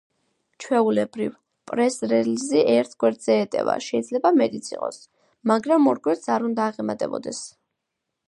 ჩვეულებრივ, პრეს-რელიზი ერთ გვერდზე ეტევა, შეიძლება მეტიც იყოს, მაგრამ ორ გვერდს არ უნდა აღემატებოდეს.